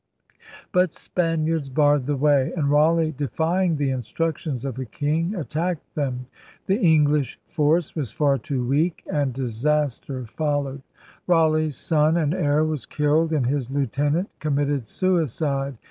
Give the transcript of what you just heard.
But Spaniards barred the way; and Raleigh, defying the instructions of the King, attacked them. The English force was far too weak and disaster followed. Raleigh's son and heir was killed and his lieutenant committed suicide.